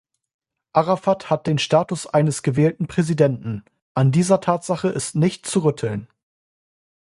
Arafat hat den Status eines gewählten Präsidenten, an dieser Tatsache ist nicht zu rütteln.